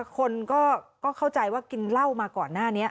คนก็เข้าใจว่ากินเหล้ามาก่อนหน้านี้